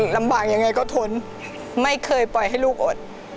ลำบากยังไงก็ทนไม่เคยปล่อยให้ลูกอด